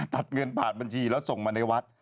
ตัดเงินผ่านบัญชีแล้วส่งมาในวัด